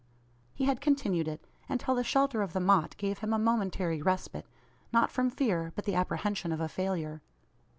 He had continued it; until the shelter of the motte gave him a momentary respite, not from fear, but the apprehension of a failure.